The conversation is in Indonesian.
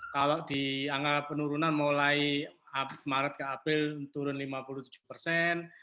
kalau di angka penurunan mulai maret ke april turun lima puluh tujuh persen